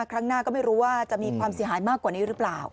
ครั้งหน้าก็ไม่รู้ว่าจะมีความเสียหายมากกว่านี้หรือเปล่า